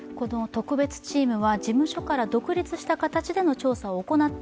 特別チームは事務所から独立した形で調査を行った。